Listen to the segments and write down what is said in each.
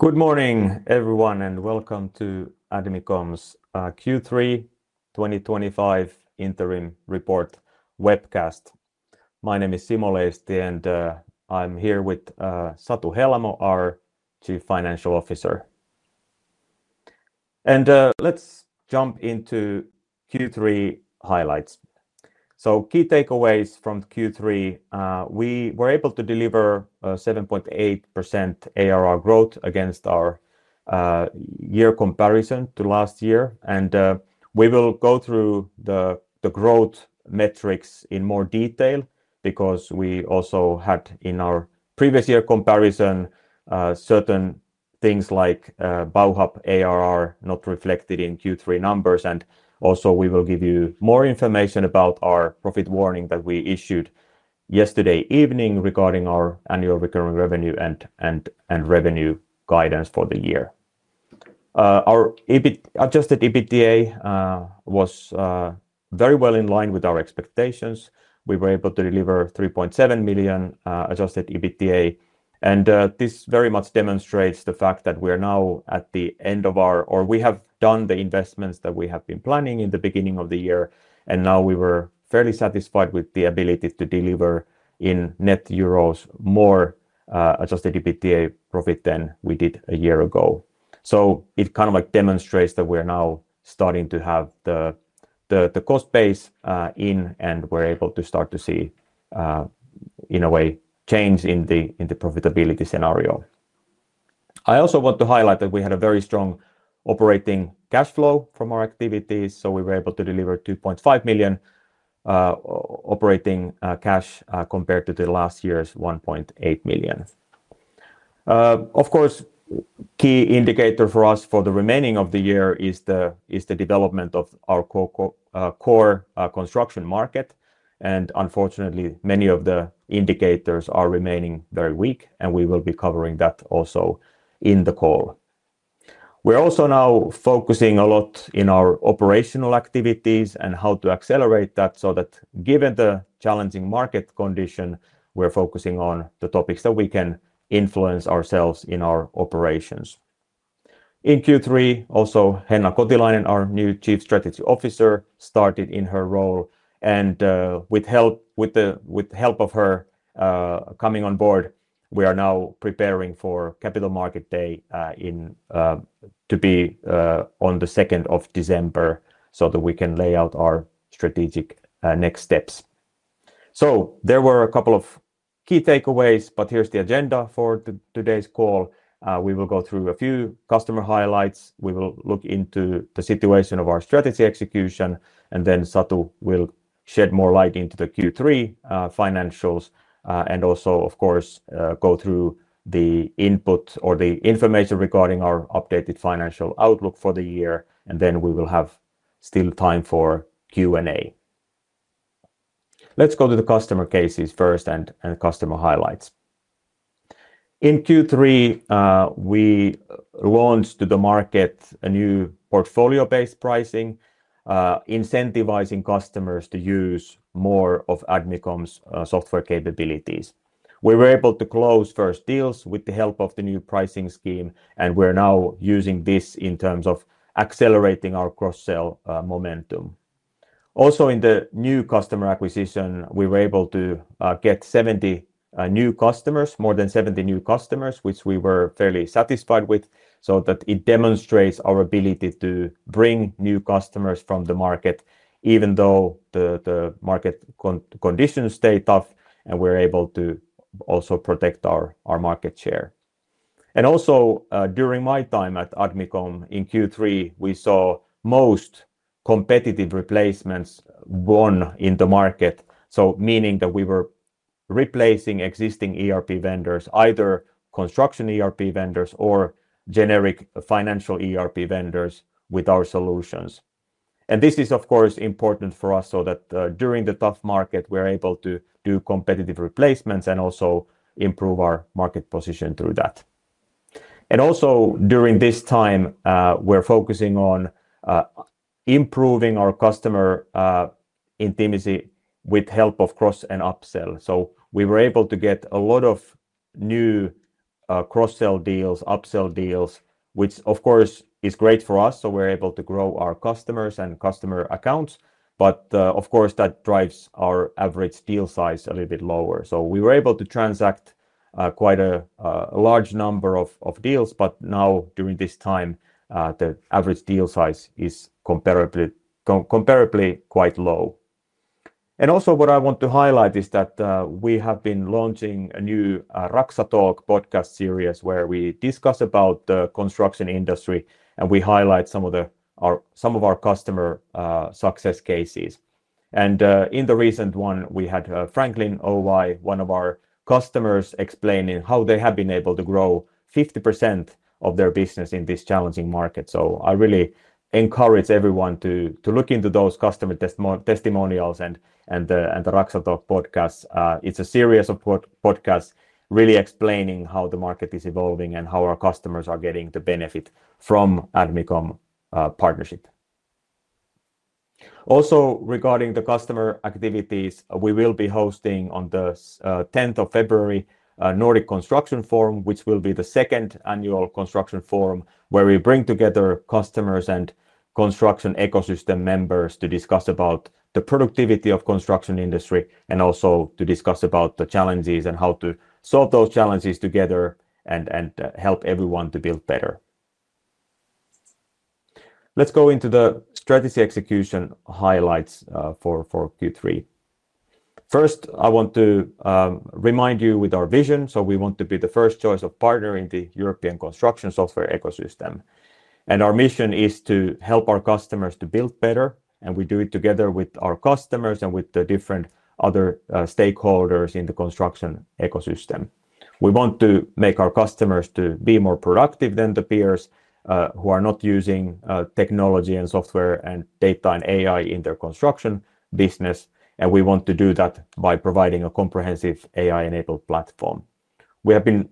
Good morning, everyone, and welcome to Admicom's Q3 2025 interim report webcast. My name is Simo Leisti, and I'm here with Satu Helamo, our Chief Financial Officer. Let's jump into Q3 highlights. Key takeaways from Q3: we were able to deliver 7.8% ARR growth against our year comparison to last year. We will go through the growth metrics in more detail because we also had, in our previous year comparison, certain things like Bauhub OÜ ARR not reflected in Q3 numbers. We will give you more information about our profit warning that we issued yesterday evening regarding our annual recurring revenue and revenue guidance for the year. Our adjusted EBITDA was very well in line with our expectations. We were able to deliver 3.7 million adjusted EBITDA, and this very much demonstrates the fact that we are now at the end of our, or we have done the investments that we have been planning in the beginning of the year, and now we were fairly satisfied with the ability to deliver in net euros more adjusted EBITDA profit than we did a year ago. It demonstrates that we are now starting to have the cost base in, and we're able to start to see, in a way, change in the profitability scenario. I also want to highlight that we had a very strong operating cash flow from our activities, so we were able to deliver 2.5 million operating cash compared to last year's 1.8 million. Of course, a key indicator for us for the remaining of the year is the development of our core construction market, and unfortunately, many of the indicators are remaining very weak, and we will be covering that also in the call. We're also now focusing a lot on our operational activities and how to accelerate that so that, given the challenging market condition, we're focusing on the topics that we can influence ourselves in our operations. In Q3, also, Henna Kotilainen, our new Chief Strategy Officer, started in her role, and with the help of her coming on board, we are now preparing for Capital Market Day to be on the 2nd of December so that we can lay out our strategic next steps. There were a couple of key takeaways, but here's the agenda for today's call. We will go through a few customer highlights, we will look into the situation of our strategy execution, and then Satu will shed more light into the Q3 financials, and also, of course, go through the input or the information regarding our updated financial outlook for the year. We will have time for Q&A. Let's go to the customer cases first and customer highlights. In Q3, we launched to the market a new portfolio-based pricing, incentivizing customers to use more of Admicom's software capabilities. We were able to close first deals with the help of the new pricing scheme, and we're now using this in terms of accelerating our cross-sell momentum. Also, in the new customer acquisition, we were able to get more than 70 new customers, which we were fairly satisfied with, so that it demonstrates our ability to bring new customers from the market, even though the market conditions stay tough, and we're able to also protect our market share. During my time at Admicom in Q3, we saw most competitive replacements won in the market, meaning that we were replacing existing ERP vendors, either construction ERP vendors or generic financial ERP vendors with our solutions. This is, of course, important for us so that during the tough market, we're able to do competitive replacements and also improve our market position through that. During this time, we're focusing on improving our customer intimacy with the help of cross and upsell. We were able to get a lot of new cross-sell deals, upsell deals, which, of course, is great for us, so we're able to grow our customers and customer accounts. Of course, that drives our average deal size a little bit lower. We were able to transact quite a large number of deals, but now, during this time, the average deal size is comparably quite low. I want to highlight that we have been launching a new Raksa Talk podcast series where we discuss the construction industry, and we highlight some of our customer success cases. In the recent one, we had Franklin Oy, one of our customers, explaining how they have been able to grow 50% of their business in this challenging market. I really encourage everyone to look into those customer testimonials and the Raksa Talk podcast. It's a series of podcasts really explaining how the market is evolving and how our customers are getting the benefit from Admicom's partnership. Also, regarding the customer activities, we will be hosting on the 10th of February the Nordic Construction Forum, which will be the second annual construction forum where we bring together customers and construction ecosystem members to discuss the productivity of the construction industry and also to discuss the challenges and how to solve those challenges together and help everyone to build better. Let's go into the strategy execution highlights for Q3. First, I want to remind you of our vision. We want to be the first choice of partner in the European construction software ecosystem, and our mission is to help our customers to build better, and we do it together with our customers and with the different other stakeholders in the construction ecosystem. We want to make our customers be more productive than their peers who are not using technology and software and data and AI in their construction business, and we want to do that by providing a comprehensive AI-enabled platform. We have been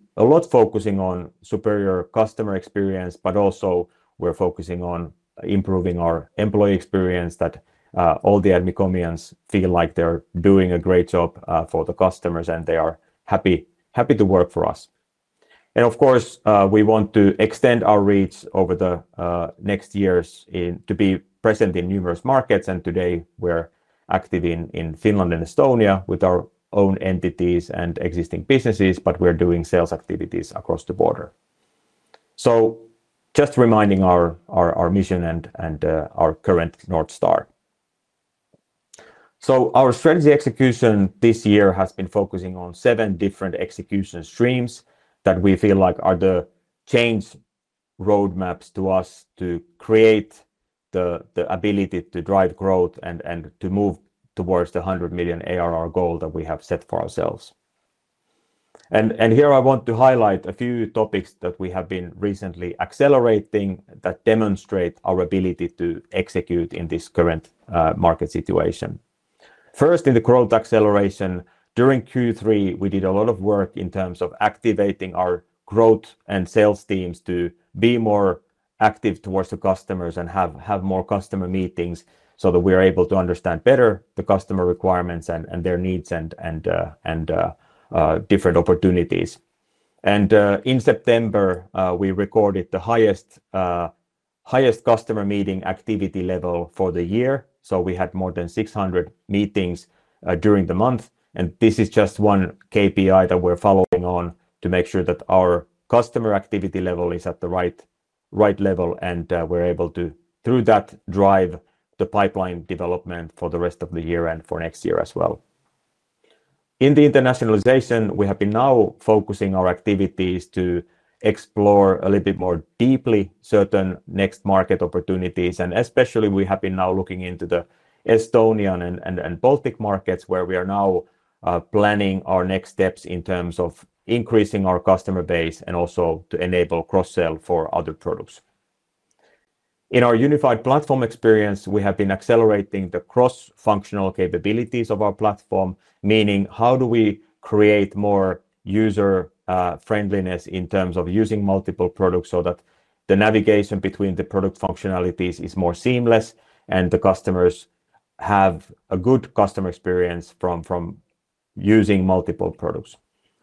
focusing a lot on superior customer experience, but also we're focusing on improving our employee experience so that all the Admicomians feel like they're doing a great job for the customers and they are happy to work for us. Of course, we want to extend our reach over the next years to be present in numerous markets, and today we're active in Finland and Estonia with our own entities and existing businesses, but we're doing sales activities across the border. Just reminding our mission and our current North Star. Our strategy execution this year has been focusing on seven different execution streams that we feel like are the change roadmaps to us to create the ability to drive growth and to move towards the 100 million ARR goal that we have set for ourselves. Here I want to highlight a few topics that we have been recently accelerating that demonstrate our ability to execute in this current market situation. First, in the growth acceleration, during Q3, we did a lot of work in terms of activating our growth and sales teams to be more active towards the customers and have more customer meetings so that we are able to understand better the customer requirements and their needs and different opportunities. In September, we recorded the highest customer meeting activity level for the year. We had more than 600 meetings during the month, and this is just one KPI that we're following to make sure that our customer activity level is at the right level. We're able to, through that, drive the pipeline development for the rest of the year and for next year as well. In the internationalization, we have been now focusing our activities to explore a little bit more deeply certain next market opportunities, and especially we have been now looking into the Estonian and Baltic markets where we are now planning our next steps in terms of increasing our customer base and also to enable cross-sell for other products. In our unified platform experience, we have been accelerating the cross-functional capabilities of our platform, meaning how do we create more user-friendliness in terms of using multiple products so that the navigation between the product functionalities is more seamless and the customers have a good customer experience from using multiple products.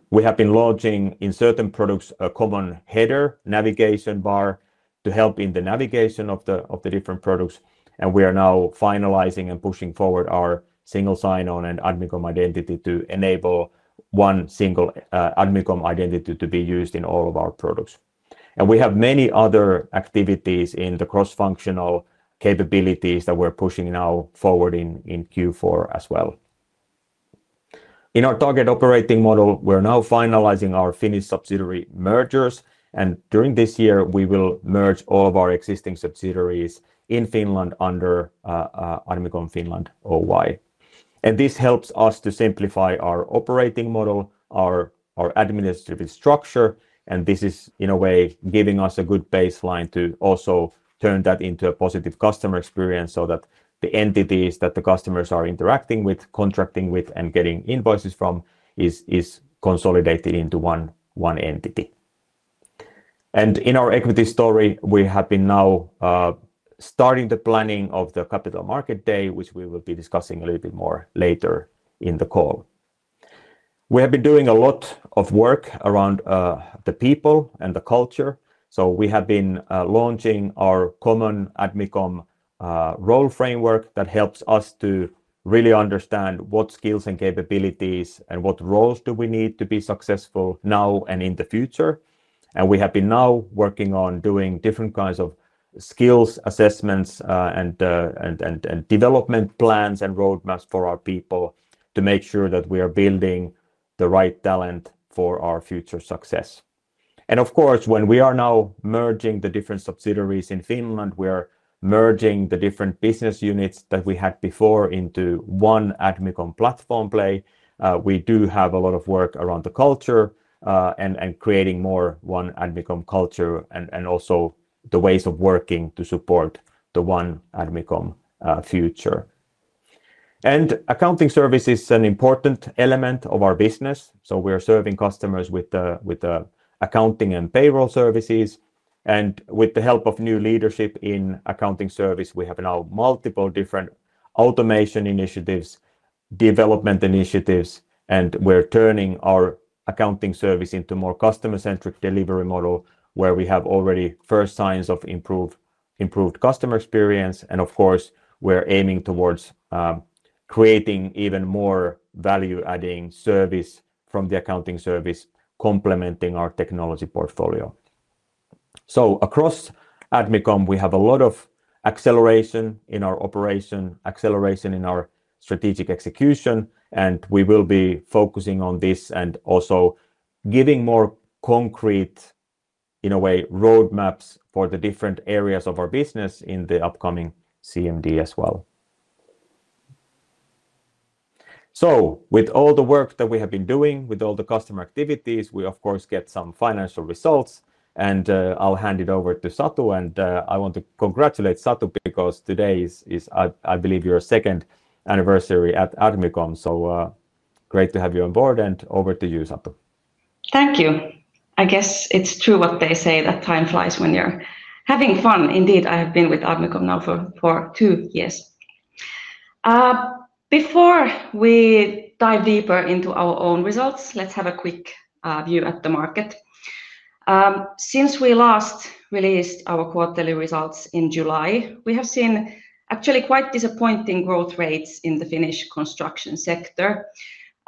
We have been launching in certain products a common header navigation bar to help in the navigation of the different products, and we are now finalizing and pushing forward our single sign-on and Admicom identity to enable one single Admicom identity to be used in all of our products. We have many other activities in the cross-functional capabilities that we're pushing now forward in Q4 as well. In our target operating model, we're now finalizing our Finnish subsidiary mergers, and during this year, we will merge all of our existing subsidiaries in Finland under Admicom Finland Oy. This helps us to simplify our operating model and our administrative structure, and this is, in a way, giving us a good baseline to also turn that into a positive customer experience so that the entities that the customers are interacting with, contracting with, and getting invoices from is consolidated into one entity. In our equity story, we have been now starting the planning of the Capital Market Day, which we will be discussing a little bit more later in the call. We have been doing a lot of work around the people and the culture, so we have been launching our common Admicom role framework that helps us to really understand what skills and capabilities and what roles do we need to be successful now and in the future. We have been working on doing different kinds of skills assessments and development plans and roadmaps for our people to make sure that we are building the right talent for our future success. When we are now merging the different subsidiaries in Finland, we are merging the different business units that we had before into one Admicom platform play. We do have a lot of work around the culture and creating more one Admicom culture and also the ways of working to support the one Admicom future. Accounting service is an important element of our business, so we are serving customers with the accounting and payroll services, and with the help of new leadership in accounting service, we have now multiple different automation initiatives, development initiatives, and we're turning our accounting service into a more customer-centric delivery model where we have already first signs of improved customer experience. We are aiming towards creating even more value-adding service from the accounting service complementing our technology portfolio. Across Admicom, we have a lot of acceleration in our operation, acceleration in our strategic execution, and we will be focusing on this and also giving more concrete, in a way, roadmaps for the different areas of our business in the upcoming CMD as well. With all the work that we have been doing, with all the customer activities, we, of course, get some financial results, and I'll hand it over to Satu, and I want to congratulate Satu because today is, I believe, your second anniversary at Admicom, so great to have you on board and over to you, Satu. Thank you. I guess it's true what they say that time flies when you're having fun. Indeed, I have been with Admicom now for two years. Before we dive deeper into our own results, let's have a quick view at the market. Since we last released our quarterly results in July, we have seen actually quite disappointing growth rates in the Finnish construction sector.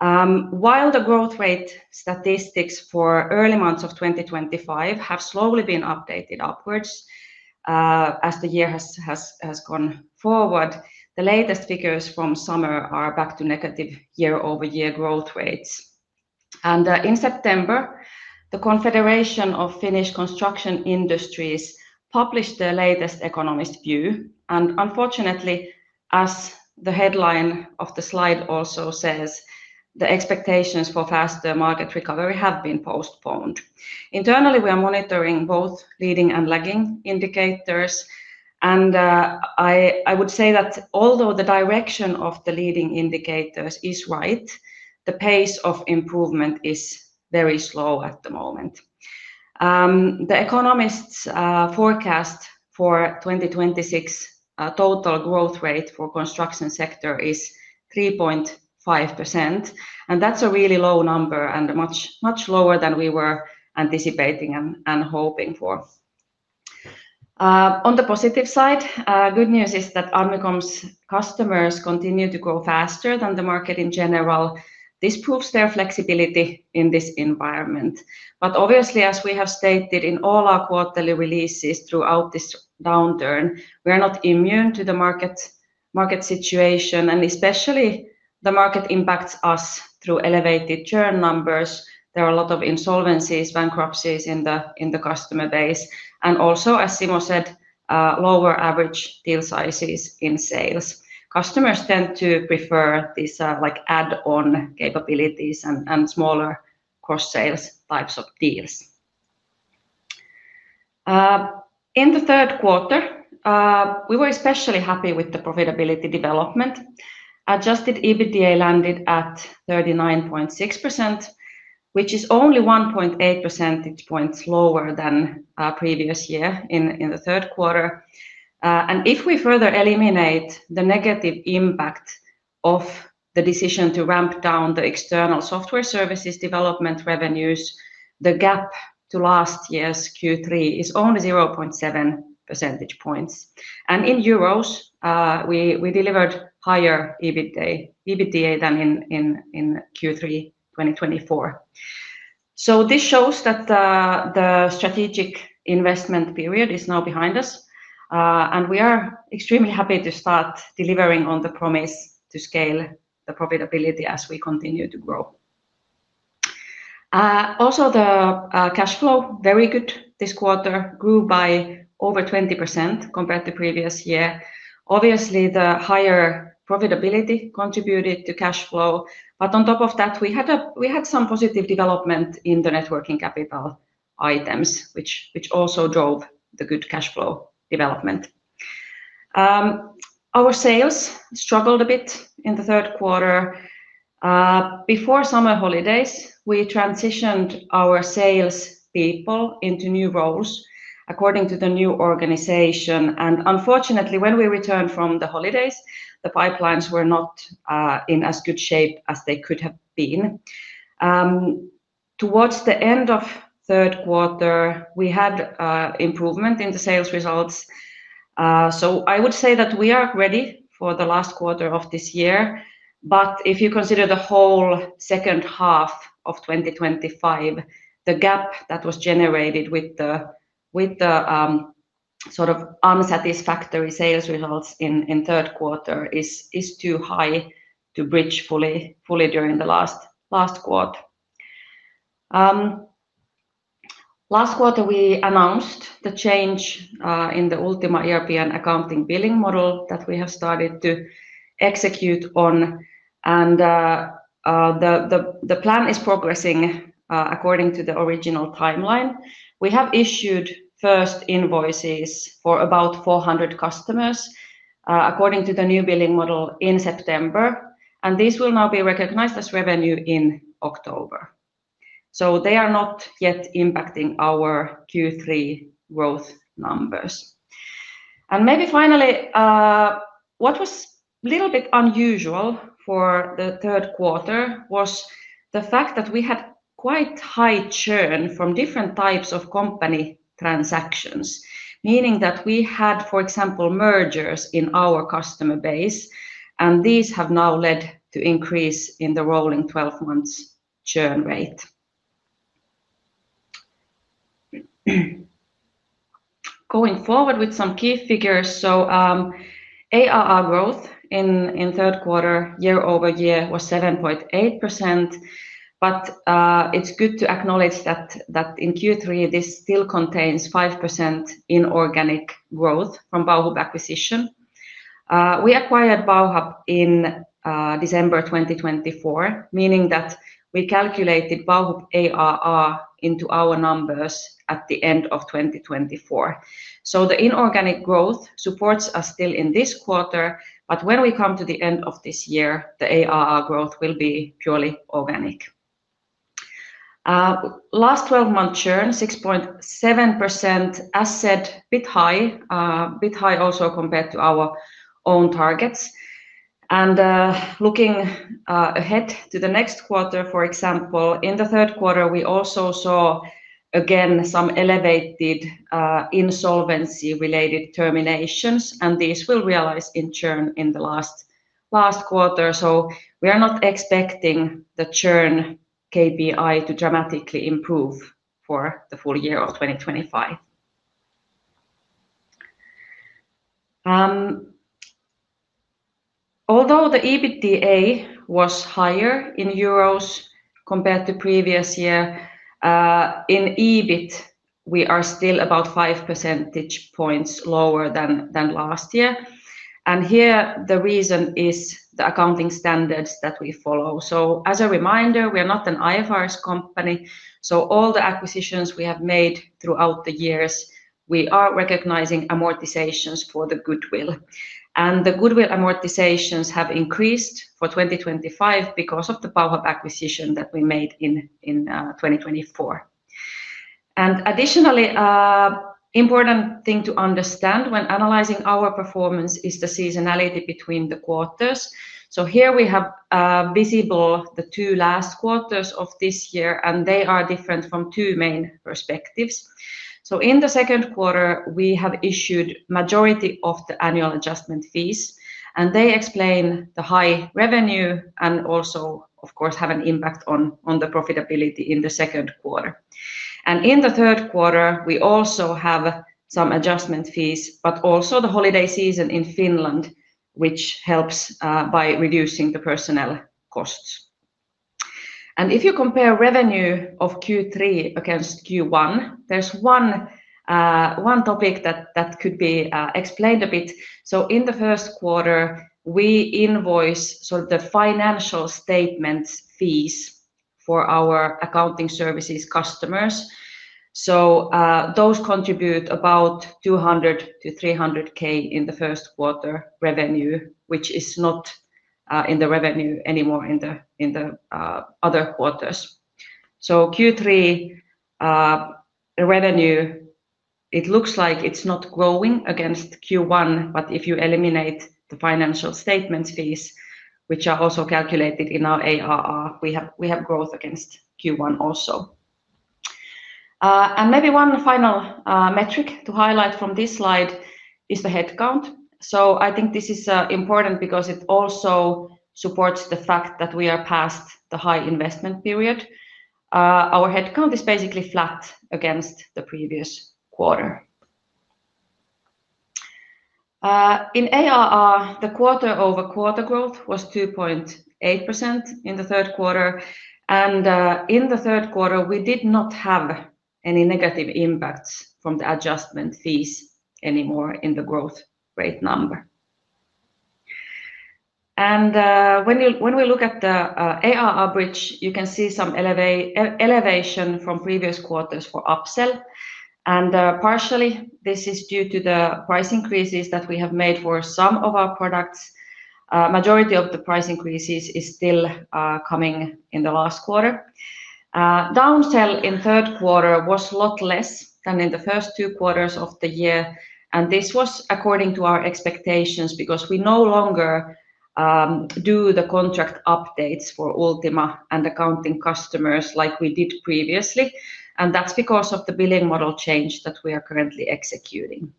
While the growth rate statistics for early months of 2025 have slowly been updated upwards as the year has gone forward, the latest figures from summer are back to negative year-over-year growth rates. In September, the Confederation of Finnish Construction Industries published their latest economist view, and unfortunately, as the headline of the slide also says, the expectations for faster market recovery have been postponed. Internally, we are monitoring both leading and lagging indicators, and I would say that although the direction of the leading indicators is right, the pace of improvement is very slow at the moment. The economists' forecast for 2026 total growth rate for the construction sector is 3.5%, and that's a really low number and much lower than we were anticipating and hoping for. On the positive side, good news is that Admicom's customers continue to grow faster than the market in general. This proves their flexibility in this environment. Obviously, as we have stated in all our quarterly releases throughout this downturn, we are not immune to the market situation, and especially the market impacts us through elevated churn numbers. There are a lot of insolvencies, bankruptcies in the customer base, and also, as Simo said, lower average deal sizes in sales. Customers tend to prefer these add-on capabilities and smaller cross-sales types of deals. In the third quarter, we were especially happy with the profitability development. Adjusted EBITDA landed at 39.6%, which is only 1.8 percentage points lower than our previous year in the third quarter. If we further eliminate the negative impact of the decision to ramp down the external software services development revenues, the gap to last year's Q3 is only 0.7 percentage points. In euros, we delivered higher EBITDA than in Q3 2024. This shows that the strategic investment period is now behind us, and we are extremely happy to start delivering on the promise to scale the profitability as we continue to grow. Also, the cash flow, very good this quarter, grew by over 20% compared to the previous year. Obviously, the higher profitability contributed to cash flow, but on top of that, we had some positive development in the networking capital items, which also drove the good cash flow development. Our sales struggled a bit in the third quarter. Before summer holidays, we transitioned our salespeople into new roles according to the new organization, and unfortunately, when we returned from the holidays, the pipelines were not in as good shape as they could have been. Towards the end of the third quarter, we had improvement in the sales results. I would say that we are ready for the last quarter of this year, but if you consider the whole second half of 2025, the gap that was generated with the sort of unsatisfactory sales results in the third quarter is too high to bridge fully during the last quarter. Last quarter, we announced the change in the Ultima European Accounting Billing model that we have started to execute on, and the plan is progressing according to the original timeline. We have issued first invoices for about 400 customers according to the new billing model in September, and this will now be recognized as revenue in October. They are not yet impacting our Q3 growth numbers. Maybe finally, what was a little bit unusual for the third quarter was the fact that we had quite high churn from different types of company transactions, meaning that we had, for example, mergers in our customer base, and these have now led to an increase in the rolling 12 months churn rate. Going forward with some key figures, ARR growth in the third quarter, year over year, was 7.8%, but it's good to acknowledge that in Q3, this still contains 5% inorganic growth from Bauhub acquisition. We acquired Bauhub in December 2024, meaning that we calculated Bauhub ARR into our numbers at the end of 2024. The inorganic growth supports us still in this quarter, but when we come to the end of this year, the ARR growth will be purely organic. Last 12 months churn, 6.7% as said, a bit high, a bit high also compared to our own targets. Looking ahead to the next quarter, for example, in the third quarter, we also saw again some elevated insolvency-related terminations, and these will realize in churn in the last quarter. We are not expecting the churn KPI to dramatically improve for the full year of 2025. Although the EBITDA was higher in euros compared to the previous year, in EBIT, we are still about 5 percentage points lower than last year. The reason is the accounting standards that we follow. As a reminder, we are not an IFRS company, so all the acquisitions we have made throughout the years, we are recognizing amortizations for the goodwill. The goodwill amortizations have increased for 2025 because of the Bauhub acquisition that we made in 2024. Additionally, an important thing to understand when analyzing our performance is the seasonality between the quarters. Here we have visible the two last quarters of this year, and they are different from two main perspectives. In the second quarter, we have issued the majority of the annual adjustment fees, and they explain the high revenue and also, of course, have an impact on the profitability in the second quarter. In the third quarter, we also have some adjustment fees, but also the holiday season in Finland, which helps by reducing the personnel costs. If you compare revenue of Q3 against Q1, there's one topic that could be explained a bit. In the first quarter, we invoice the financial statements fees for our accounting services customers. Those contribute about 200,000-300,000 in the first quarter revenue, which is not in the revenue anymore in the other quarters. Q3 revenue looks like it's not growing against Q1, but if you eliminate the financial statements fees, which are also calculated in our ARR, we have growth against Q1 also. Maybe one final metric to highlight from this slide is the headcount. I think this is important because it also supports the fact that we are past the high investment period. Our headcount is basically flat against the previous quarter. In ARR, the quarter-over-quarter growth was 2.8% in the third quarter, and in the third quarter, we did not have any negative impacts from the adjustment fees anymore in the growth rate number. When we look at the ARR bridge, you can see some elevation from previous quarters for upsell, and partially, this is due to the price increases that we have made for some of our products. The majority of the price increases are still coming in the last quarter. Downsell in the third quarter was a lot less than in the first two quarters of the year, and this was according to our expectations because we no longer do the contract updates for Ultima and accounting customers like we did previously, and that's because of the billing model change that we are currently executing.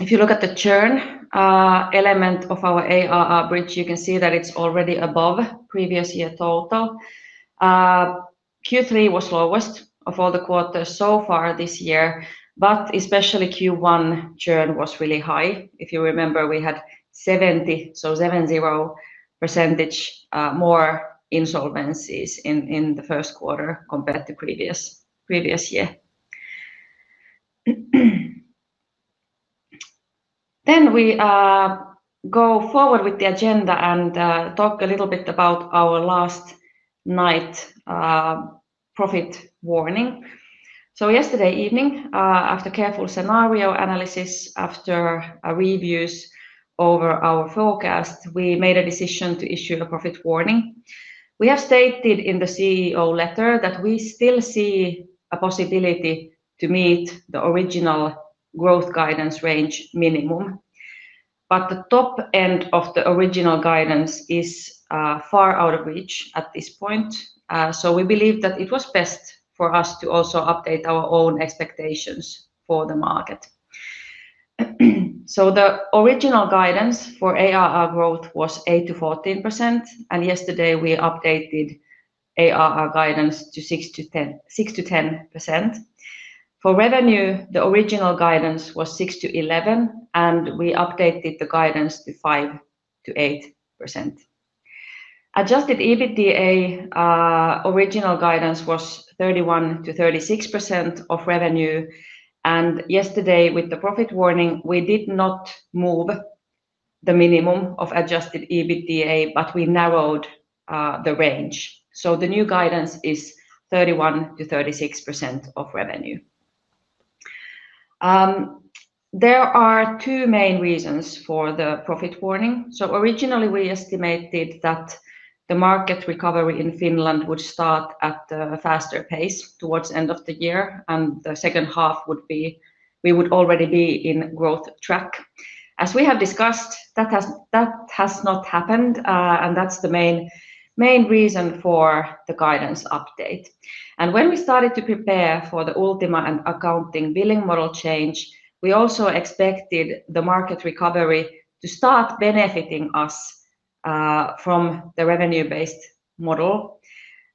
If you look at the churn element of our ARR bridge, you can see that it's already above the previous year total. Q3 was the lowest of all the quarters so far this year, but especially Q1 churn was really high. If you remember, we had 70%, so 70% more insolvencies in the first quarter compared to the previous year. We go forward with the agenda and talk a little bit about our last night's profit warning. Yesterday evening, after careful scenario analysis, after reviews over our forecast, we made a decision to issue the profit warning. We have stated in the CEO letter that we still see a possibility to meet the original growth guidance range minimum, but the top end of the original guidance is far out of reach at this point. We believe that it was best for us to also update our own expectations for the market. The original guidance for ARR growth was 8%-14%, and yesterday we updated ARR guidance to 6%-10%. For revenue, the original guidance was 6%-%11%, and we updated the guidance to 5%-8%. Adjusted EBITDA original guidance was 31%-36% of revenue, and yesterday with the profit warning, we did not move the minimum of adjusted EBITDA, but we narrowed the range. The new guidance is 31%-36% of revenue. There are two main reasons for the profit warning. Originally we estimated that the market recovery in Finland would start at a faster pace towards the end of the year, and the second half would be we would already be in a growth track. As we have discussed, that has not happened, and that's the main reason for the guidance update. When we started to prepare for the Ultima and accounting billing model change, we also expected the market recovery to start benefiting us from the revenue-based model.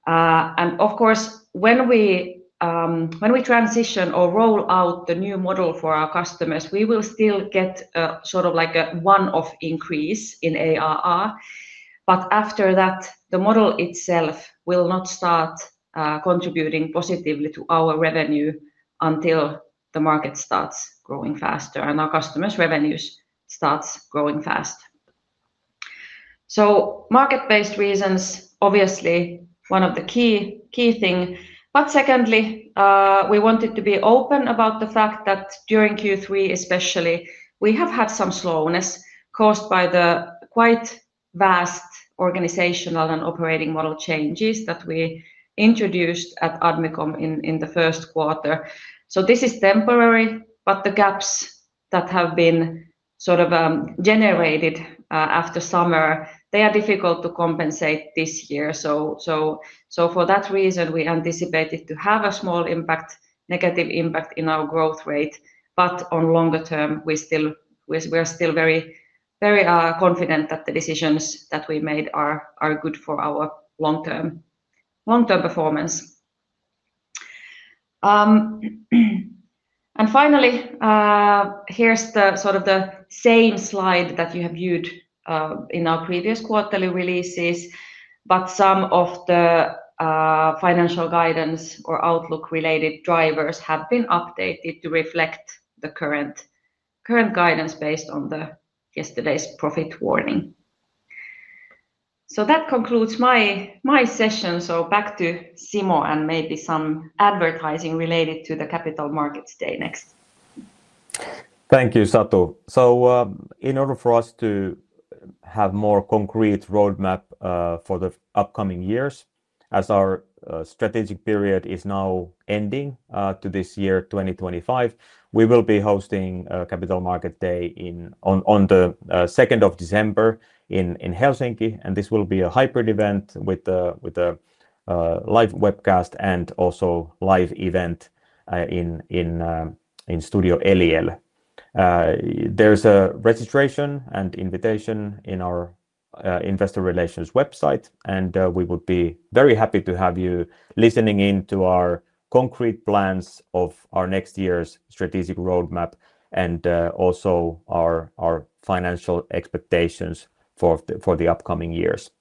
Of course, when we transition or roll out the new model for our customers, we will still get a sort of like a one-off increase in ARR, but after that, the model itself will not start contributing positively to our revenue until the market starts growing faster and our customers' revenues start growing fast. Market-based reasons, obviously one of the key things, but secondly, we wanted to be open about the fact that during Q3, especially, we have had some slowness caused by the quite vast organizational and operating model changes that we introduced at Admicom in the first quarter. This is temporary, but the gaps that have been sort of generated after summer, they are difficult to compensate this year. For that reason, we anticipated to have a small negative impact in our growth rate, but on the longer term, we are still very confident that the decisions that we made are good for our long-term performance. Finally, here's the sort of the same slide that you have viewed in our previous quarterly releases, but some of the financial guidance or outlook-related drivers have been updated to reflect the current guidance based on yesterday's profit warning. That concludes my session. Back to Simo and maybe some advertising related to the Capital Market Day next. Thank you, Satu. In order for us to have a more concrete roadmap for the upcoming years, as our strategic period is now ending this year, 2025, we will be hosting Capital Market Day on the 2nd of December in Helsinki. This will be a hybrid event with a live webcast and also a live event in Studio Eliel. There is a registration and invitation on our investor relations website, and we would be very happy to have you listening in to our concrete plans for next year's strategic roadmap and also our financial expectations for the upcoming years.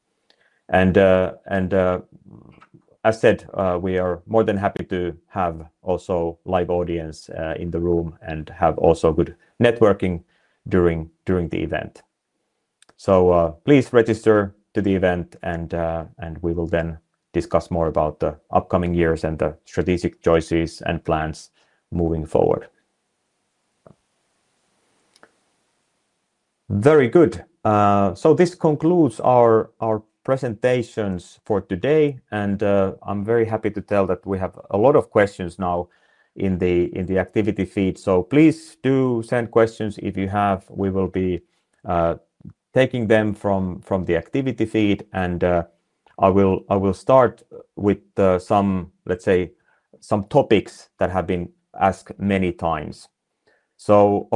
As said, we are more than happy to have also a live audience in the room and have good networking during the event. Please register to the event, and we will then discuss more about the upcoming years and the strategic choices and plans moving forward. This concludes our presentations for today, and I'm very happy to tell that we have a lot of questions now in the activity feed. Please do send questions if you have. We will be taking them from the activity feed, and I will start with some topics that have been asked many times.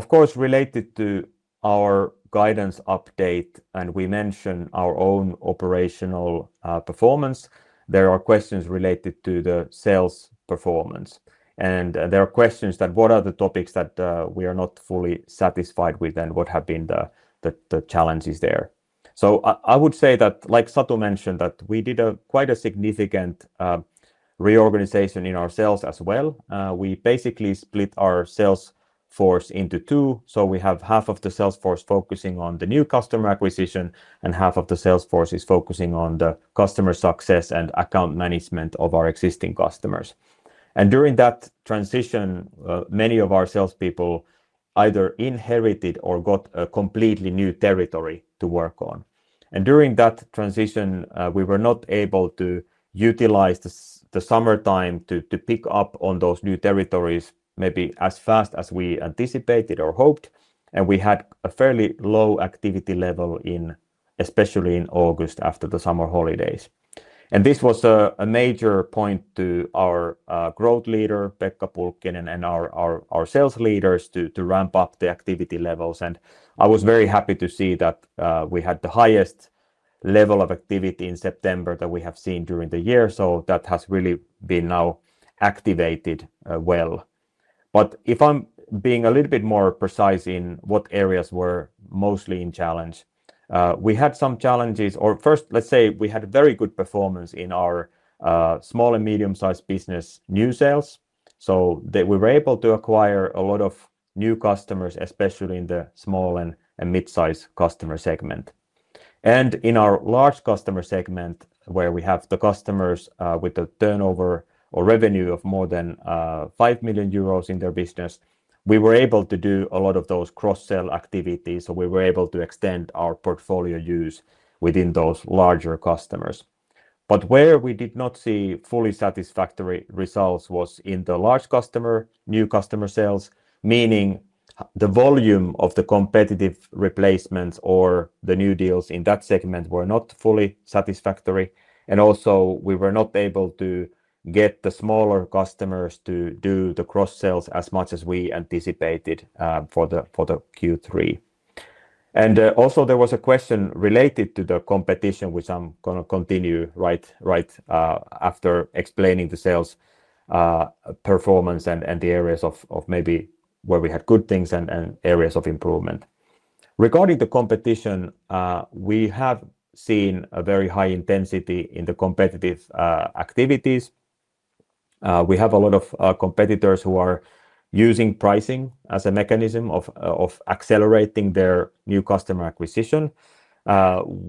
Of course, related to our guidance update, and we mentioned our own operational performance, there are questions related to the sales performance, and there are questions about what are the topics that we are not fully satisfied with and what have been the challenges there. I would say that, like Satu mentioned, we did quite a significant reorganization in our sales as well. We basically split our sales force into two, so we have half of the sales force focusing on new customer acquisition, and half of the sales force is focusing on the customer success and account management of our existing customers. During that transition, many of our salespeople either inherited or got a completely new territory to work on. During that transition, we were not able to utilize the summertime to pick up on those new territories maybe as fast as we anticipated or hoped, and we had a fairly low activity level, especially in August after the summer holidays. This was a major point to our growth leader, Pekka Pulkkinen, and our sales leaders to ramp up the activity levels. I was very happy to see that we had the highest level of activity in September that we have seen during the year, so that has really been now activated well. If I'm being a little bit more precise in what areas were mostly in challenge, we had some challenges, or first, let's say we had a very good performance in our small and medium-sized business new sales. We were able to acquire a lot of new customers, especially in the small and mid-sized customer segment. In our large customer segment, where we have the customers with a turnover or revenue of more than 5 million euros in their business, we were able to do a lot of those cross-sell activities. We were able to extend our portfolio use within those larger customers. Where we did not see fully satisfactory results was in the large customer new customer sales, meaning the volume of the competitive replacements or the new deals in that segment were not fully satisfactory. We were not able to get the smaller customers to do the cross-sales as much as we anticipated for Q3. There was a question related to the competition, which I'm going to continue right after explaining the sales performance and the areas of maybe where we had good things and areas of improvement. Regarding the competition, we have seen a very high intensity in the competitive activities. We have a lot of competitors who are using pricing as a mechanism of accelerating their new customer acquisition.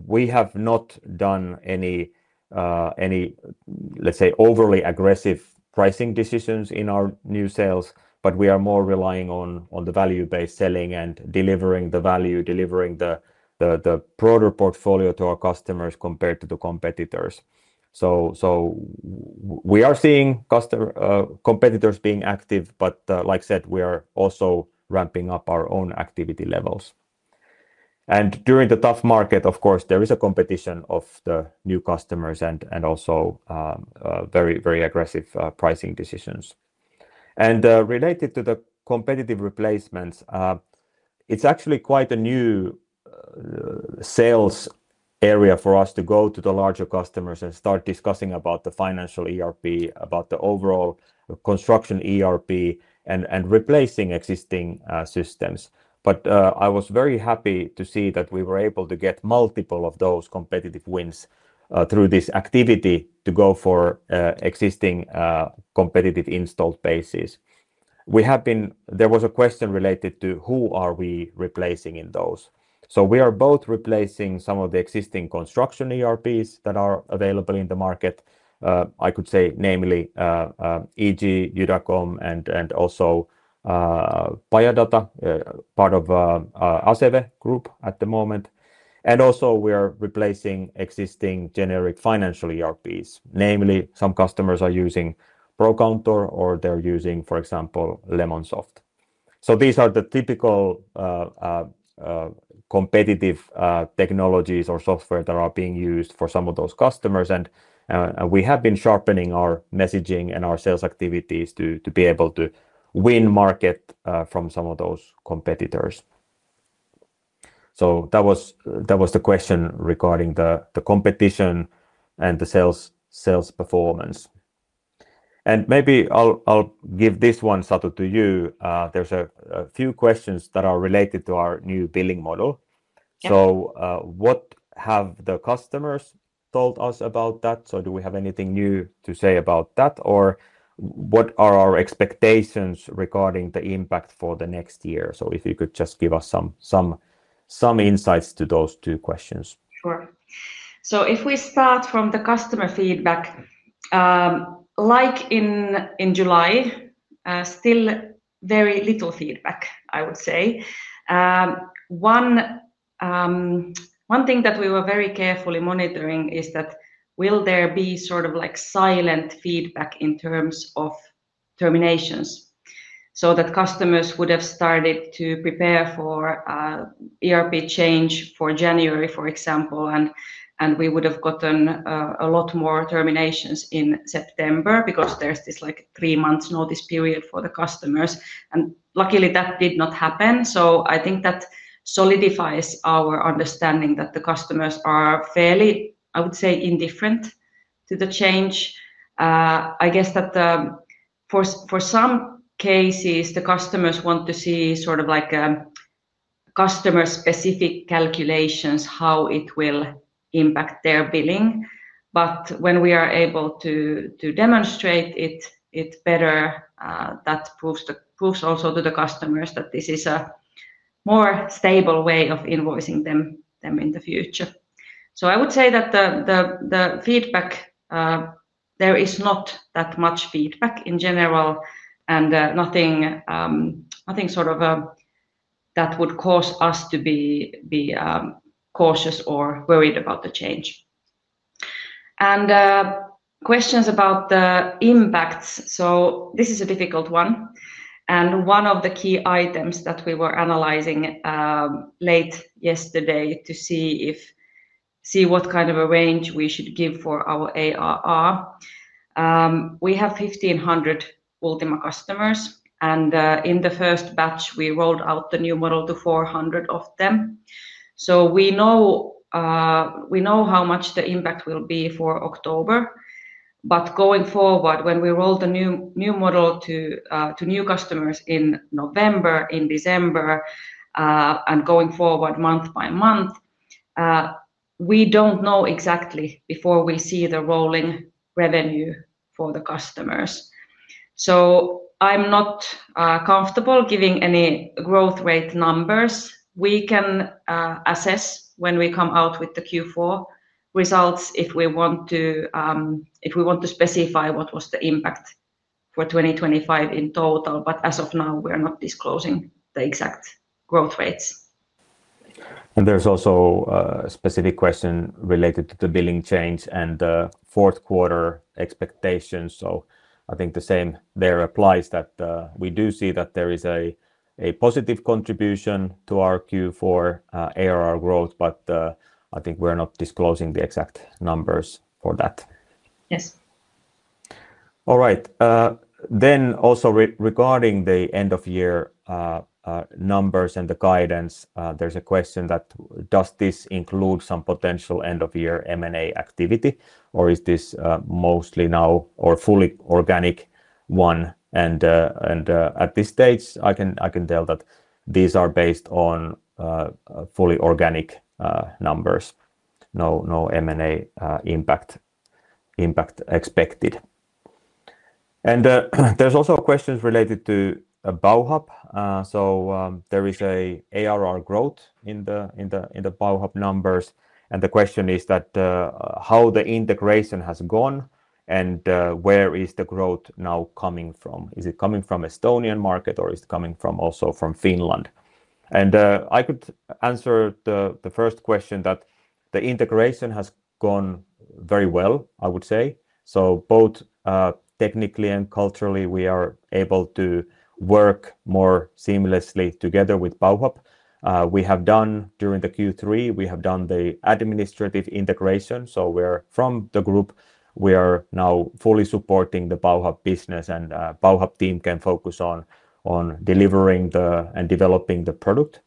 We have not done any, let's say, overly aggressive pricing decisions in our new sales, but we are more relying on the value-based selling and delivering the value, delivering the broader portfolio to our customers compared to the competitors. We are seeing competitors being active, but like I said, we are also ramping up our own activity levels. During the tough market, of course, there is a competition of the new customers and also very, very aggressive pricing decisions. Related to the competitive replacements, it's actually quite a new sales area for us to go to the larger customers and start discussing about the financial ERP, about the overall construction ERP, and replacing existing systems. I was very happy to see that we were able to get multiple of those competitive wins through this activity to go for existing competitive installed bases. There was a question related to who are we replacing in those. We are both replacing some of the existing construction ERPs that are available in the market. I could say namely EG, [UDA com], and also Pajadata, part of Aceve Group at the moment. We are also replacing existing generic financial ERPs, namely some customers are using Procountor or they're using, for example, Lemonsoft. These are the typical competitive technologies or software that are being used for some of those customers, and we have been sharpening our messaging and our sales activities to be able to win market from some of those competitors. That was the question regarding the competition and the sales performance. Maybe I'll give this one, Satu, to you. There are a few questions that are related to our new billing model. What have the customers told us about that? Do we have anything new to say about that, or what are our expectations regarding the impact for the next year? If you could just give us some insights to those two questions. Sure. If we start from the customer feedback, like in July, still very little feedback, I would say. One thing that we were very carefully monitoring is that will there be sort of like silent feedback in terms of terminations so that customers would have started to prepare for ERP change for January, for example, and we would have gotten a lot more terminations in September because there's this three-month notice period for the customers. Luckily, that did not happen. I think that solidifies our understanding that the customers are fairly, I would say, indifferent to the change. I guess that for some cases, the customers want to see sort of like customer-specific calculations, how it will impact their billing. When we are able to demonstrate it better, that proves also to the customers that this is a more stable way of invoicing them in the future. I would say that the feedback, there is not that much feedback in general, and nothing sort of that would cause us to be cautious or worried about the change. Questions about the impacts. This is a difficult one, and one of the key items that we were analyzing late yesterday to see what kind of a range we should give for our ARR. We have 1,500 Ultima customers, and in the first batch, we rolled out the new model to 400 of them. We know how much the impact will be for October, but going forward, when we roll the new model to new customers in November, in December, and going forward month by month, we don't know exactly before we see the rolling revenue for the customers. I'm not comfortable giving any growth rate numbers. We can assess when we come out with the Q4 results if we want to specify what was the impact for 2025 in total, but as of now, we are not disclosing the exact growth rates. There is also a specific question related to the billing change and the fourth quarter expectations. I think the same there applies; we do see that there is a positive contribution to our Q4 ARR growth, but we're not disclosing the exact numbers for that. Yes. All right. Regarding the end-of-year numbers and the guidance, there's a question that does this include some potential end-of-year M&A activity, or is this mostly now or fully organic one? At this stage, I can tell that these are based on fully organic numbers, no M&A impact expected. There's also questions related to Bauhub. There is an ARR growth in the Bauhub numbers, and the question is that how the integration has gone and where is the growth now coming from? Is it coming from the Estonian market, or is it coming also from Finland? I could answer the first question that the integration has gone very well, I would say. Both technically and culturally, we are able to work more seamlessly together with Bauhub. We have done during Q3 the administrative integration, so from the group, we are now fully supporting the Bauhub business, and the Bauhub team can focus on delivering and developing the product.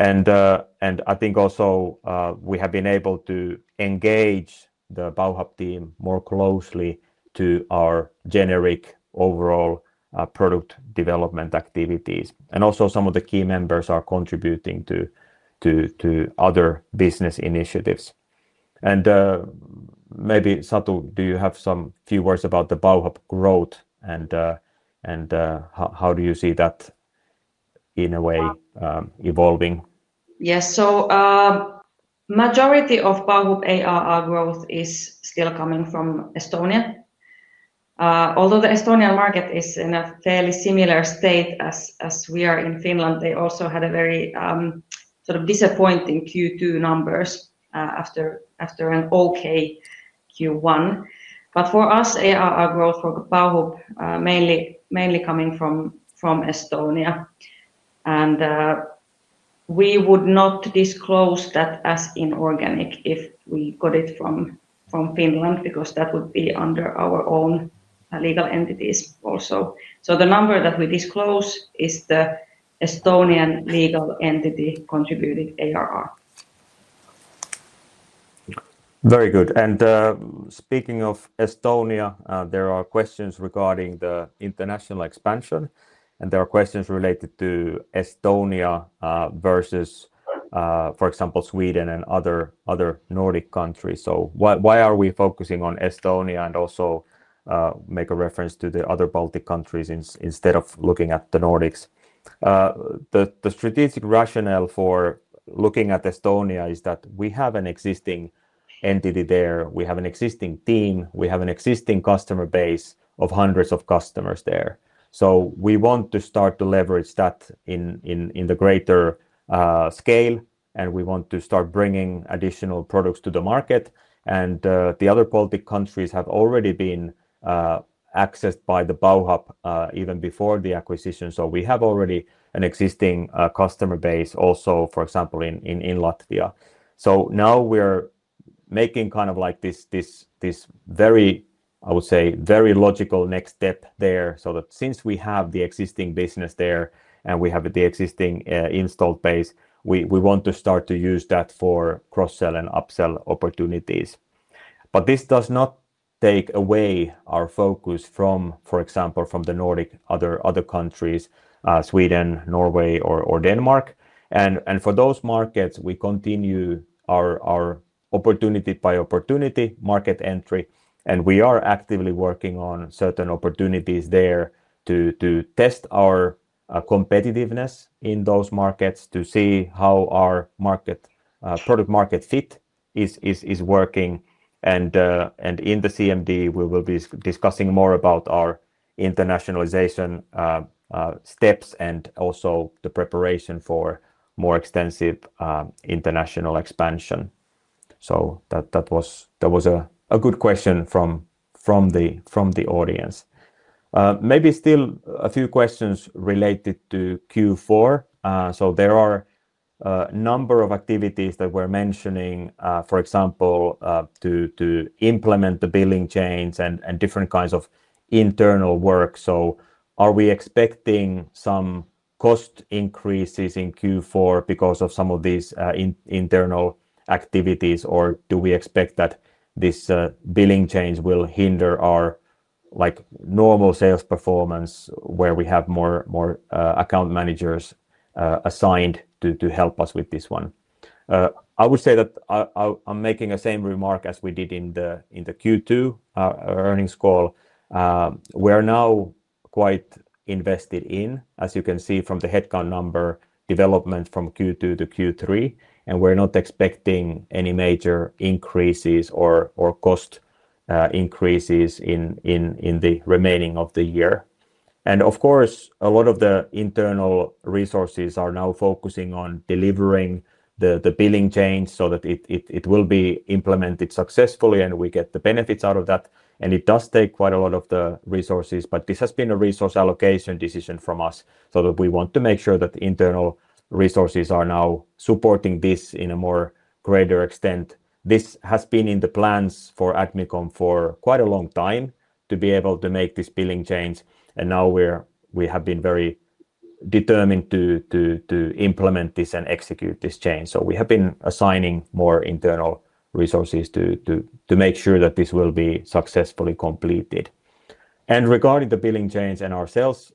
I think also we have been able to engage the Bauhub team more closely to our generic overall product development activities, and also some of the key members are contributing to other business initiatives. Maybe, Satu, do you have some few words about the Bauhub growth and how do you see that in a way evolving? Yes, so a majority of Bauhub ARR growth is still coming from Estonia. Although the Estonian market is in a fairly similar state as we are in Finland, they also had a very sort of disappointing Q2 numbers after an okay Q1. For us, ARR growth for Bauhub mainly coming from Estonia, and we would not disclose that as inorganic if we got it from Finland because that would be under our own legal entities also. The number that we disclose is the Estonian legal entity contributed ARR. Very good. Speaking of Estonia, there are questions regarding the international expansion, and there are questions related to Estonia versus, for example, Sweden and other Nordic countries. Why are we focusing on Estonia and also making a reference to the other Baltic countries instead of looking at the Nordics? The strategic rationale for looking at Estonia is that we have an existing entity there, we have an existing team, we have an existing customer base of hundreds of customers there. We want to start to leverage that on a greater scale, and we want to start bringing additional products to the market. The other Baltic countries have already been accessed by Bauhub even before the acquisition. We already have an existing customer base also, for example, in Latvia. Now we're making this very, I would say, very logical next step there. Since we have the existing business there and we have the existing installed base, we want to start to use that for cross-sell and upsell opportunities. This does not take away our focus from, for example, the other Nordic countries, Sweden, Norway, or Denmark. For those markets, we continue our opportunity-by-opportunity market entry, and we are actively working on certain opportunities there to test our competitiveness in those markets to see how our product-market fit is working. In the CMD, we will be discussing more about our internationalization steps and also the preparation for more extensive international expansion. That was a good question from the audience. Maybe still a few questions related to Q4. There are a number of activities that we're mentioning, for example, to implement the billing change and different kinds of internal work. Are we expecting some cost increases in Q4 because of some of these internal activities, or do we expect that this billing change will hinder our normal sales performance where we have more account managers assigned to help us with this one? I would say that I'm making the same remark as we did in the Q2 earnings call. We're now quite invested in, as you can see from the headcount number development from Q2 to Q3, and we're not expecting any major increases or cost increases in the remainder of the year. Of course, a lot of the internal resources are now focusing on delivering the billing change so that it will be implemented successfully and we get the benefits out of that. It does take quite a lot of the resources, but this has been a resource allocation decision from us so that we want to make sure that internal resources are now supporting this to a greater extent. This has been in the plans for Admicom for quite a long time to be able to make this billing change, and now we have been very determined to implement this and execute this change. We have been assigning more internal resources to make sure that this will be successfully completed. Regarding the billing change and our sales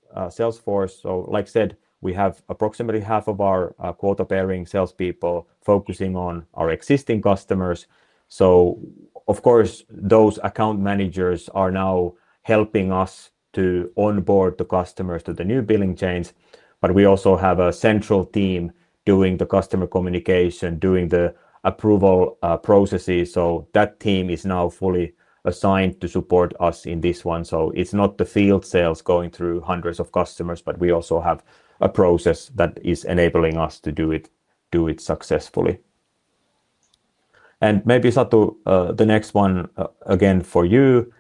force, like I said, we have approximately half of our quota-bearing salespeople focusing on our existing customers. Of course, those account managers are now helping us to onboard the customers to the new billing chains, but we also have a central team doing the customer communication, doing the approval processes. That team is now fully assigned to support us in this one. It's not the field sales going through hundreds of customers, but we also have a process that is enabling us to do it successfully. Maybe, Satu, the next one again for you.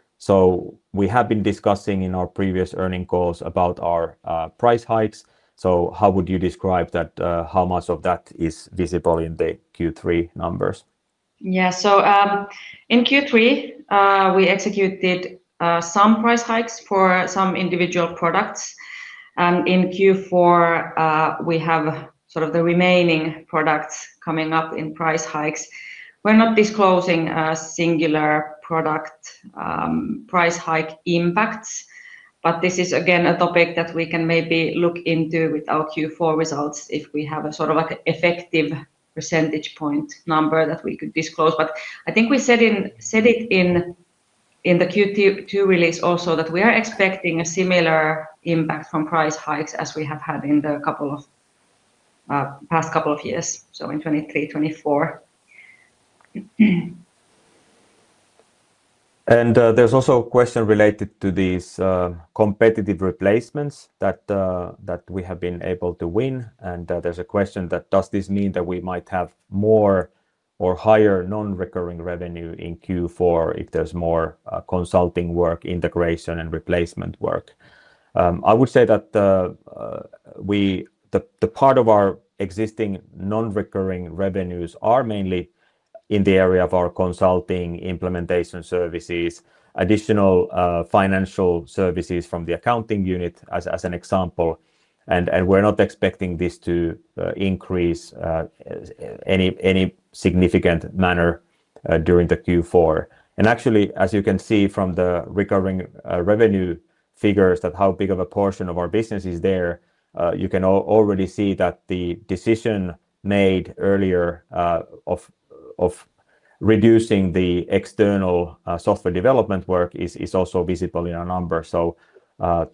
We have been discussing in our previous earning calls about our price hikes. How would you describe that? How much of that is visible in the Q3 numbers? Yeah, so in Q3, we executed some price hikes for some individual products, and in Q4, we have sort of the remaining products coming up in price hikes. We're not disclosing a singular product price hike impact, but this is again a topic that we can maybe look into with our Q4 results if we have a sort of like an effective percentage point number that we could disclose. I think we said it in the Q2 release also that we are expecting a similar impact from price hikes as we have had in the past couple of years, so in 2023, 2024. There is also a question related to these competitive replacements that we have been able to win, and there's a question that does this mean that we might have more or higher non-recurring revenue in Q4 if there's more consulting work, integration, and replacement work? I would say that the part of our existing non-recurring revenues are mainly in the area of our consulting, implementation services, additional financial services from the accounting unit as an example, and we're not expecting this to increase in any significant manner during Q4. Actually, as you can see from the recurring revenue figures, how big of a portion of our business is there, you can already see that the decision made earlier of reducing the external software development work is also visible in our number.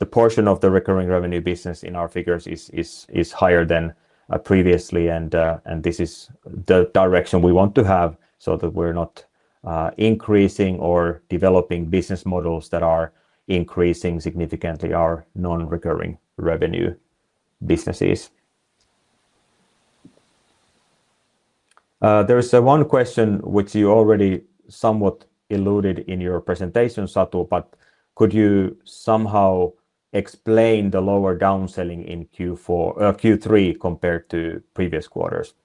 The portion of the recurring revenue business in our figures is higher than previously, and this is the direction we want to have so that we're not increasing or developing business models that are increasing significantly our non-recurring revenue businesses. There is one question which you already somewhat eluded in your presentation, Satu, but could you somehow explain the lower downselling in Q3 compared to previous quarters?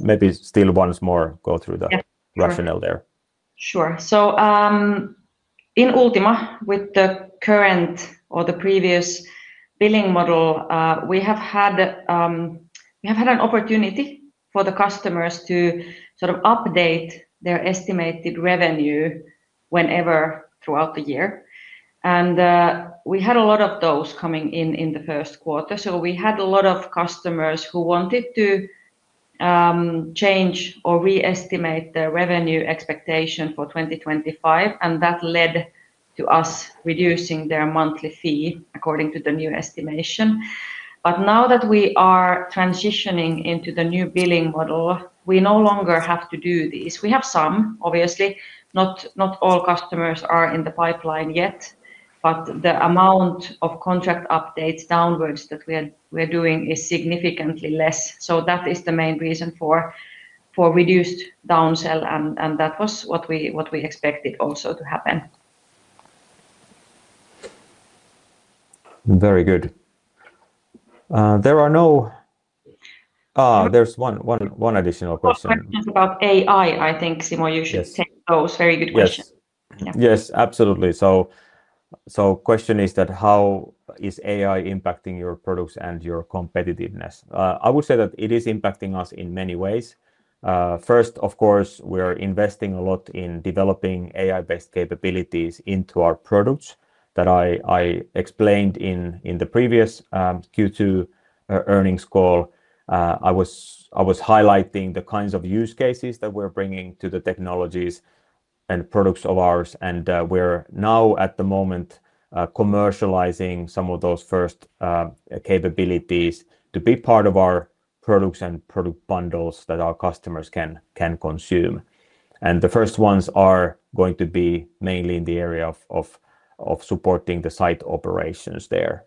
Maybe still once more go through the rationale there. In Ultima, with the current or the previous billing model, we have had an opportunity for the customers to sort of update their estimated revenue whenever throughout the year. We had a lot of those coming in in the first quarter, so we had a lot of customers who wanted to change or re-estimate their revenue expectation for 2025, and that led to us reducing their monthly fee according to the new estimation. Now that we are transitioning into the new billing model, we no longer have to do this. We have some, obviously, not all customers are in the pipeline yet, but the amount of contract updates downwards that we're doing is significantly less. That is the main reason for reduced downsell, and that was what we expected also to happen. Very good. There's one additional question. Oh, questions about AI, I think, Simo, you should set those. Very good question. Yes, absolutely. The question is how is AI impacting your products and your competitiveness? I would say that it is impacting us in many ways. First, of course, we're investing a lot in developing AI-based capabilities into our products that I explained in the previous Q2 earnings call. I was highlighting the kinds of use cases that we're bringing to the technologies and products of ours, and we're now at the moment commercializing some of those first capabilities to be part of our products and product bundles that our customers can consume. The first ones are going to be mainly in the area of supporting the site operations there.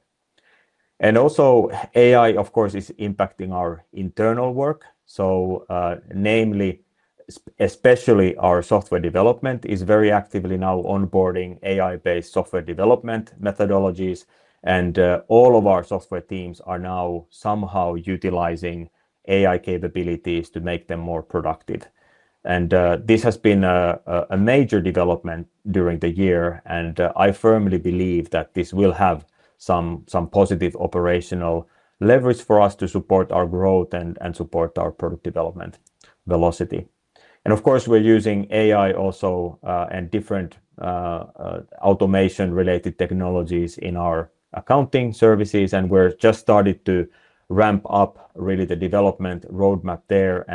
Also, AI, of course, is impacting our internal work. Namely, especially our software development is very actively now onboarding AI-based software development methodologies, and all of our software teams are now somehow utilizing AI capabilities to make them more productive. This has been a major development during the year, and I firmly believe that this will have some positive operational leverage for us to support our growth and support our product development velocity. Of course, we're using AI also and different automation-related technologies in our accounting services, and we've just started to ramp up really the development roadmap there.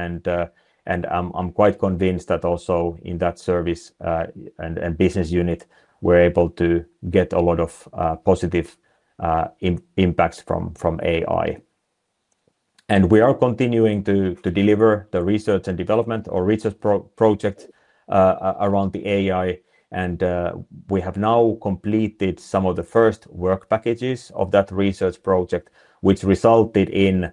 I'm quite convinced that also in that service and business unit, we're able to get a lot of positive impacts from AI. We are continuing to deliver the research and development or research project around the AI, and we have now completed some of the first work packages of that research project, which resulted in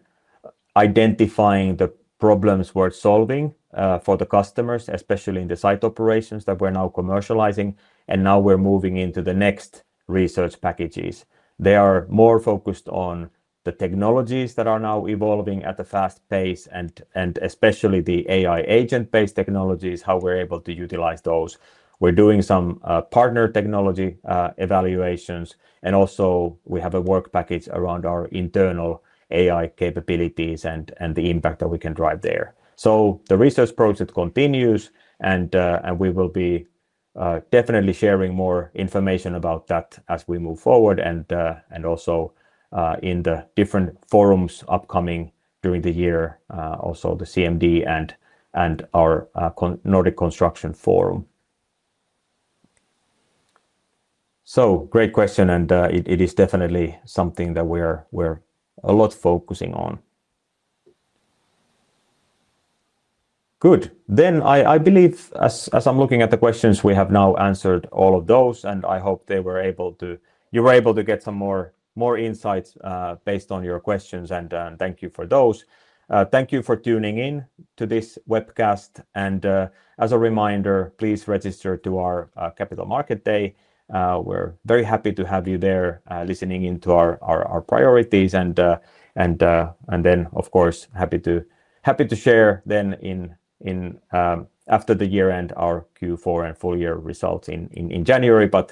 identifying the problems we're solving for the customers, especially in the site operations that we're now commercializing. Now we're moving into the next research packages. They are more focused on the technologies that are now evolving at a fast pace, and especially the AI agent-based technologies, how we're able to utilize those. We're doing some partner technology evaluations, and also we have a work package around our internal AI capabilities and the impact that we can drive there. The research project continues, and we will be definitely sharing more information about that as we move forward, and also in the different forums upcoming during the year, also the CMD and our Nordic Construction Forum. Great question, and it is definitely something that we're a lot focusing on. Good. I believe, as I'm looking at the questions, we have now answered all of those, and I hope you were able to get some more insights based on your questions, and thank you for those. Thank you for tuning in to this webcast, and as a reminder, please register to our Capital Market Day. We're very happy to have you there listening into our priorities, and of course, happy to share then after the year-end our Q4 and full-year results in January. I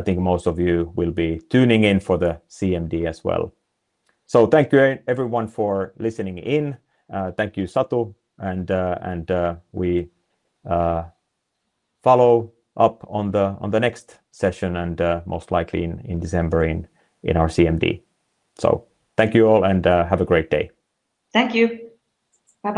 think most of you will be tuning in for the CMD as well. Thank you everyone for listening in. Thank you, Satu, and we follow up on the next session, most likely in December in our CMD. Thank you all and have a great day. Thank you.